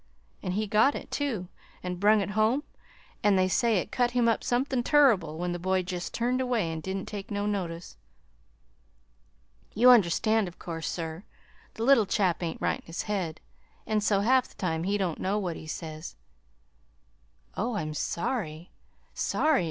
An' he got it, too, an' brung it home, an' they say it cut him up somethin' turrible when the boy jest turned away, and didn't take no notice. You understand, 'course, sir, the little chap ain't right in his head, an' so half the time he don't know what he says." "Oh, I'm sorry, sorry!"